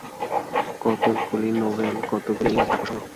কতকগুলি নভেল, কতকগুলি ইংরাজি কাব্যসংগ্রহ।